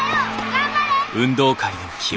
頑張れ！